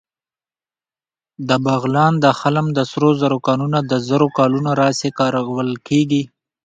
د بغلان د خلم د سرو زرو کانونه د زرو کلونو راهیسې کارول کېږي